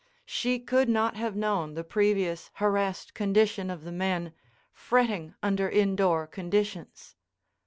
She could not have known the previous harassed condition of the men, fretting under indoor conditions.